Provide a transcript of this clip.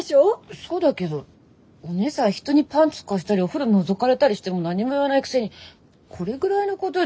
そうだけどお姉さん人にパンツ貸したりお風呂のぞかれたりしても何も言わないくせにこれぐらいのことで。